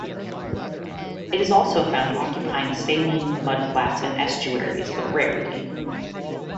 It is also found occupying saline mudflats and estuaries, but rarely.